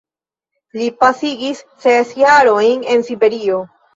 Li pasigis ses jarojn en Siberio.